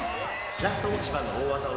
ラスト一番の大技を。